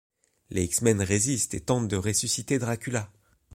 Les X-Men résistent et tentent de ressusciter Dracula.